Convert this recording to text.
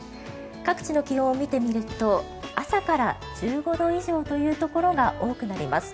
各地の気温を見てみると朝から１５度以上というところが多くなります。